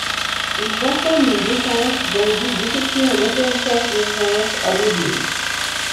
Ils entament une descente dans le but d'effectuer un atterrissage d'urgence à Modlin.